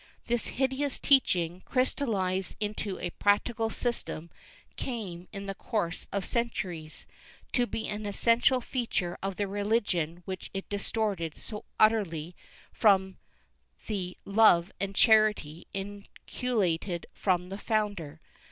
This hideous teaching, crystallized into a practical system, came, in the course of centuries, to be an essential feature of the religion which it distorted so utterly from the love and charity inculcated by the Founder.